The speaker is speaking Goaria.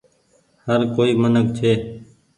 هر ڪوئي منک ڇي۔